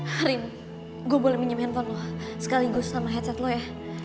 harim gue boleh minjem handphone lo sekaligus sama headset lo ya